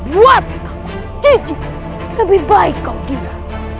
buat aku cici lebih baik kau gila